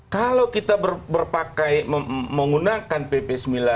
kalau kita berpakaikan menggunakan pp sembilan puluh sembilan dua ribu dua belas